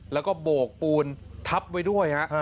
แล้วก็โบกปูนทับไว้ด้วยฮะ